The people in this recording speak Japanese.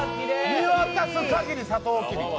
見渡すかぎりのサトウキビ。